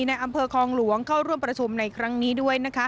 ในอำเภอคลองหลวงเข้าร่วมประชุมในครั้งนี้ด้วยนะคะ